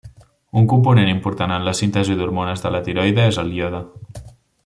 Un component important en la síntesi d'hormones de la tiroide és el iode.